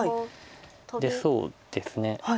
でそうですね。